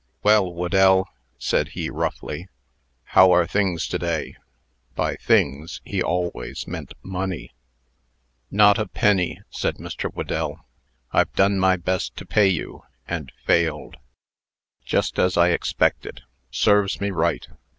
"Well, Whedell," said he, roughly, "how are things to day?" By "things," he always meant money. "Not a penny," said Mr. Whedell. "I've done my best to pay you, and failed." "Just as I expected. Serves me right.